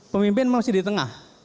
pemimpin masih di tengah